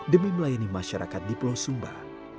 demi melayani masyarakat di pulau sumba